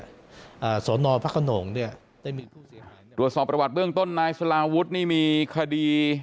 อ่าสอนอพระขนงเนี้ยได้มีผู้เสียหายตรวจสอบประวัติเบื้องต้นนายสลาวุฒินี่มีคดี